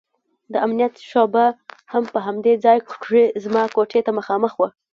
د امنيت شعبه هم په همدې ځاى کښې زما کوټې ته مخامخ وه.